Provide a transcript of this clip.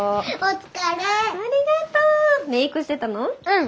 うん。